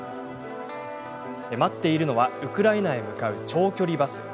待っているのはウクライナへ向かう長距離バス。